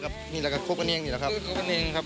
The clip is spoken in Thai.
คับกะเงงอีกแล้วครับ